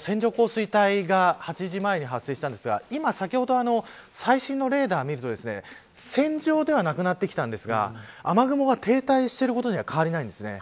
線状降水帯が８時前に発生したんですが先ほど最新のレーダーを見ると線状ではなくなってきたんですが雨雲が停滞していることには変わりないんですね。